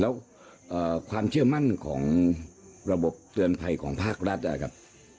แล้วความเชื่อมั่นของระบบเตือนภัยของภาครัฐนะครับ